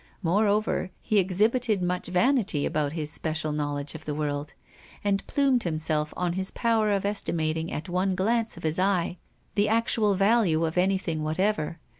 Moreover, he exhibited much vanity about his special knowledge of the world, and plumed himself on his power of estimating at one glance of his eye the actual value of anything whatever.